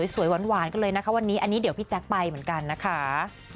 สวยหวานกันเลยนะคะวันนี้อันนี้เดี๋ยวพี่แจ๊คไปเหมือนกันนะคะ